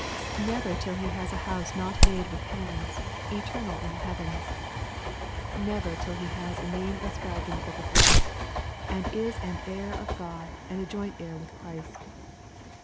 Never till he has a house not made with hands, eternal in the heavens 1 Never till he has a name inscribed in the book of lift*, and is an heir of God and a joint heir with Christ